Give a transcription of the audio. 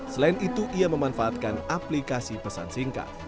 selain itu ia memanfaatkan aplikasi pesan singkat